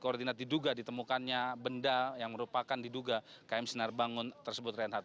koordinat diduga ditemukannya benda yang merupakan diduga km sinar bangun tersebut reinhardt